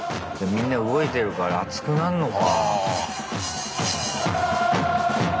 みんな動いてるから暑くなんのか。